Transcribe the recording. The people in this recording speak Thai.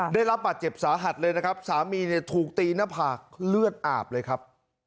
ได้รับบาดเจ็บสาหัสเลยนะครับสามีเนี่ยถูกตีหน้าผากเลือดอาบเลยครับ